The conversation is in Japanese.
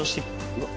うわっ。